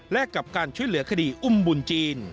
และกับการช่วยเหลือคดีอุ้มบุญจีน